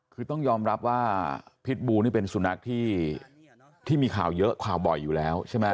คือต้องยอมรับว่าพิษบูนี่เป็นสุนัขที่มีข่าวเยอะข่าวบ่อยอยู่แล้วใช่ไหม